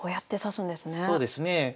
そうですねえ。